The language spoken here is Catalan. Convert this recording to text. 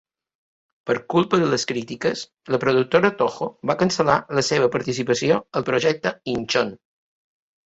Per culpa de les crítiques, la productora Toho va cancel·lar la seva participació al projecte "Inchon".